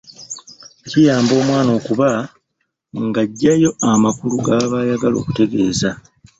Kiyamba omwana okuba ng’aggyayo amakulu g’aba ayagala okutegeeza.